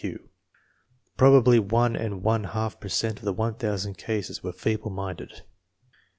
Probably one and one half per cent of the 1000 cases were feeble minded.